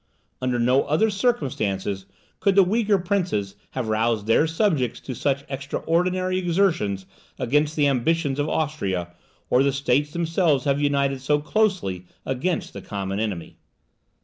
Under no other circumstances could the weaker princes have roused their subjects to such extraordinary exertions against the ambition of Austria, or the States themselves have united so closely against the common enemy.